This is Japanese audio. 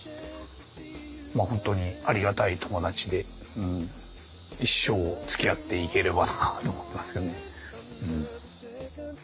本当にありがたい友達で一生つきあっていければなと思ってますけどねうん。